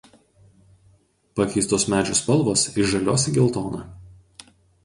Pakeistos medžių spalvos iš žalios į geltoną.